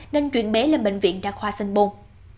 nên chuyển bé lên bệnh viện đa khoa sanh bôn